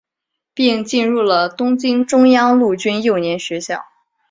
并进入了东京中央陆军幼年学校。